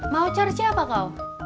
mau cerja apa kau